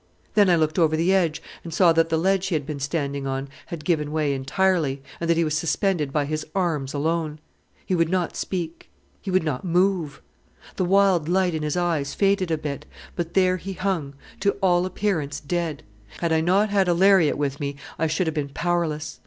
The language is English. Then I looked over the edge and saw that the ledge he had been standing on had given way entirely, and that he was suspended by his arms alone. He would not speak; he would not move. The wild light in his eyes faded a bit, but there he hung, to all appearance dead. Had I not had a lariat with me I should have been powerless.